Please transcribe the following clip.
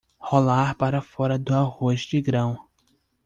Rolar para fora do arroz de grão